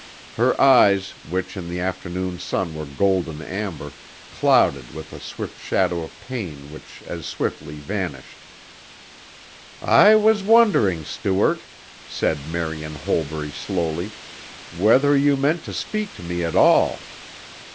Her eyes, which in the afternoon sun were golden amber, clouded with a swift shadow of pain which as swiftly vanished. "I was wondering, Stuart," said Marian Holbury slowly, "whether you meant to speak to me at all."